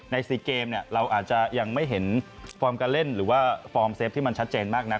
๔เกมเนี่ยเราอาจจะยังไม่เห็นฟอร์มการเล่นหรือว่าฟอร์มเซฟที่มันชัดเจนมากนัก